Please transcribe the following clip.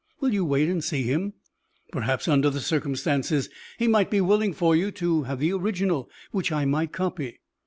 Will you wait and see him? Perhaps, under the circumstances, he might be willing for you to have the original, which I might copy."